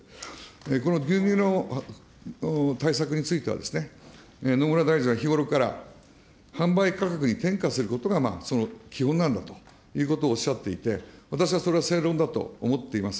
この牛乳の対策についてはですね、野村大臣は日頃から販売価格に転嫁することがその基本なんだということをおっしゃっていて、私はそれは正論だと思っています。